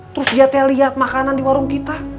terus dia teh lihat makanan di warung kita